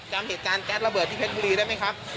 จำเหตุการณ์แก๊สระเบิดที่เพชรบุรีได้ไหมครับ